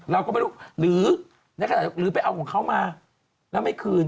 เราก็ไม่รู้หรือไปเอาของเขามาแล้วไม่คืน